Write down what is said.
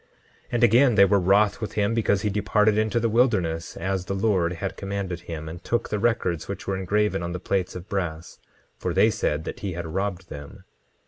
10:16 And again, they were wroth with him because he departed into the wilderness as the Lord had commanded him, and took the records which were engraven on the plates of brass, for they said that he robbed them.